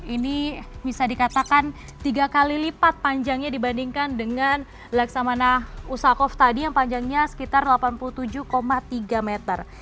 ini bisa dikatakan tiga kali lipat panjangnya dibandingkan dengan laksamana usakov tadi yang panjangnya sekitar delapan puluh tujuh tiga meter